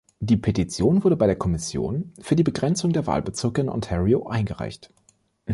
Die Petition wurde bei der Kommission für die Begrenzung der Wahlbezirke in Ontario eingereicht.